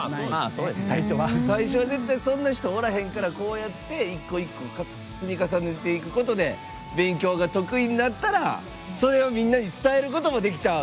最初はそんな人おらへんからこうやって一個一個積み重ねていっていくことで勉強が得意になったらそれをみんなに伝えることもできちゃう。